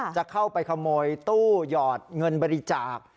จะเข้าไปขโมยตู้หยอดเงินบริจาค